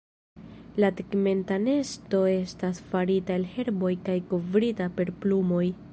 La tegmenta nesto estas farita el herboj kaj kovrita per plumoj.